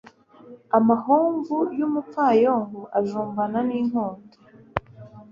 amahomvu y'umupfayongo ajombana nk'inkota